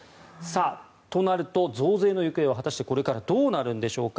となると、増税の行方は果たしてこれからどうなるんでしょうか。